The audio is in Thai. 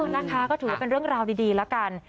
นะคะก็ถือว่าเป็นเรื่องราวดีแล้วกัน